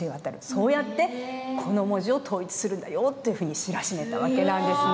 そうやってこの文字を統一するんだよっていうふうに知らしめた訳なんですね。